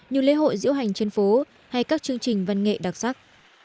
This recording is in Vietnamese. như lễ hội diễu hành trên phố hay các chương trình văn nghệ đặc sắc